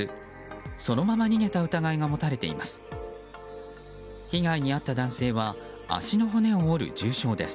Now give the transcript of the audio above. そのまま逃げた疑いが持たれています。